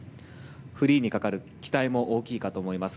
フリーにかかる期待も大きいかと思います。